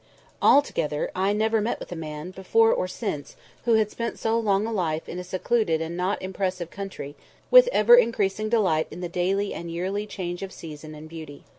Altogether, I never met with a man, before or since, who had spent so long a life in a secluded and not impressive country, with ever increasing delight in the daily and yearly change of season and beauty.